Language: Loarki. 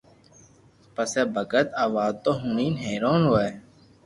پسي ڀگت آ واتون ھوڻين حيرون ھوئي